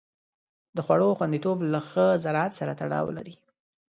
د خوړو خوندیتوب له ښه زراعت سره تړاو لري.